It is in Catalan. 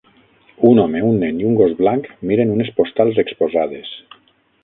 Un home, un nen i un gos blanc miren unes postals exposades.